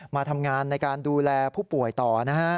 มาทำงานในการดูแลผู้ป่วยต่อนะฮะ